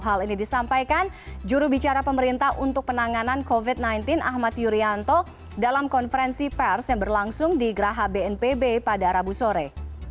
hal ini disampaikan jurubicara pemerintah untuk penanganan covid sembilan belas ahmad yuryanto dalam konferensi pers yang berlangsung di geraha bnpb pada rabu sore